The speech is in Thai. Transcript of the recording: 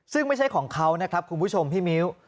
ซึ่งไม่ใช่ของเขานะครับคุณผู้ชมพี่มิ้ว